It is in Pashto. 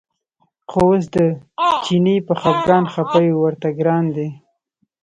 خو اوس د چیني په خپګان خپه یو ورته ګران دی.